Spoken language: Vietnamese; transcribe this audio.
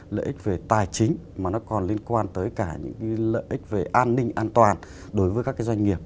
lợi ích về tài chính mà nó còn liên quan tới cả những lợi ích về an ninh an toàn đối với các doanh nghiệp